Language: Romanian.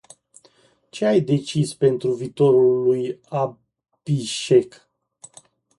Ce ai decis pentru viitorul lui Abhishek?